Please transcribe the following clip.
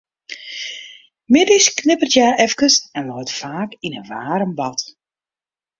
Middeis knipperet hja efkes en leit faak yn in waarm bad.